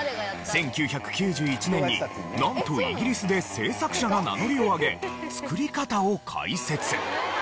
１９９１年になんとイギリスで制作者が名乗りを上げ作り方を解説。